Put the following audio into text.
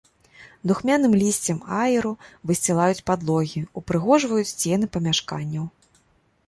Духмянымі лісцем аеру высцілаюць падлогі, упрыгожваюць сцены памяшканняў.